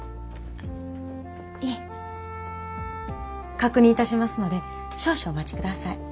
確認いたしますので少々お待ちください。